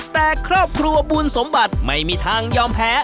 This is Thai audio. แต่ครอบครัวบุญสมบัติไม่มีทางยอมแพ้